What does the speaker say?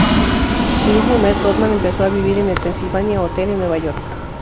El mismo mes, Goodman empezó a vivir en el "Pennsylvania Hotel" en Nueva York.